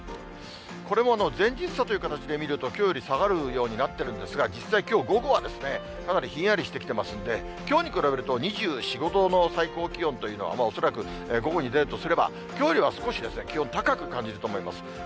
これも前日差という形で見ると、きょうより下がるようになってるんですが、実際、きょう午後は、かなりひんやりしてきてますんで、きょうに比べると２４、５度の最高気温というのは、恐らく午後に出るとすれば、きょうよりは少しですね、気温、高く感じると思います。